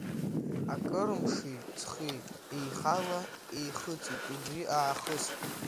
Акыр мши-ҵхи еихала-еихыҵит убри аахыс.